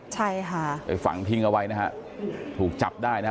ใช่ค่ะไปฝังทิ้งเอาไว้นะฮะถูกจับได้นะฮะ